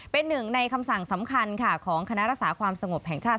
เป็นหนึ่งในคำสั่งสำคัญค่ะของคณะรักษาความสงบแห่งชาติ